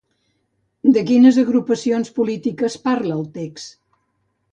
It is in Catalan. De quines agrupacions polítiques parla el text?